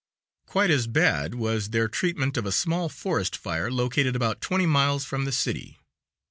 Quite as bad was their treatment of a small forest fire located about twenty miles from the city.